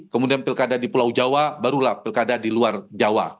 kemudian pilkada di pulau jawa barulah pilkada di luar jawa